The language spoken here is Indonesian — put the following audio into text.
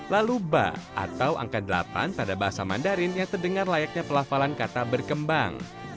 lalu ba atau angka delapan pada bahasa mandarin yang terdengar layaknya pelafalan kata berkembang